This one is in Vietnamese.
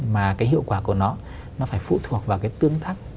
mà hiệu quả của nó phải phụ thuộc vào tương tác